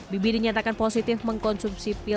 bibi dinyatakan positif mengkonsumsi pil